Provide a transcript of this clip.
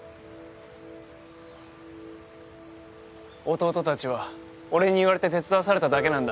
弟たちは俺に言われて手伝わされただけなんだ。